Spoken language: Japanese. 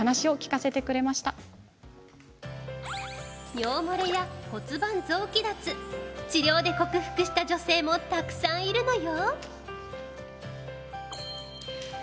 尿漏れや骨盤臓器脱治療で克服した女性もたくさんいるのよ。